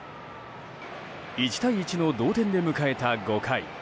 １対１の同点で迎えた５回。